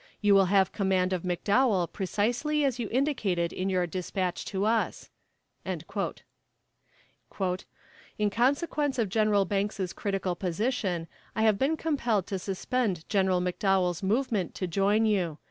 You will have command of McDowell precisely as you indicated in your despatch to us." "In consequence of Gen. Banks' critical position, I have been compelled to suspend Gen. McDowell's movement to join you.